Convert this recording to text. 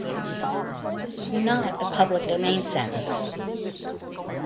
This is not a public domain sentence!